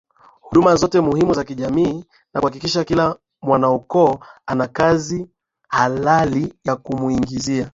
huduma zote muhimu za kijamii na kuhakikisha kila mwanaukoo ana kazi halali ya kumuingizia